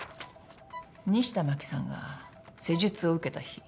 西田真紀さんが施術を受けた日。